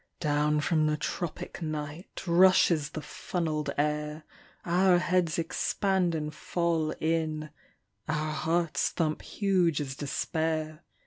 "Down from the tropic night Rushes the funnelled air; Our heads expand and fall in; Our hearts thump huge as despair.